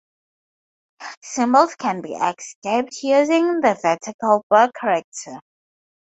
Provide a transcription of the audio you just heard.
Symbols can be escaped using the vertical bar character.